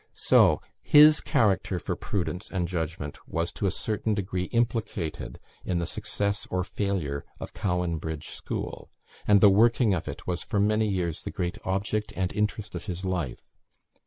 So his character for prudence and judgment was to a certain degree implicated in the success or failure of Cowan Bridge School; and the working of it was for many years the great object and interest of his life.